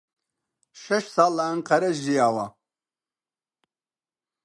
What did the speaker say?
شەش ساڵ لە ئەنقەرە ژیاوە.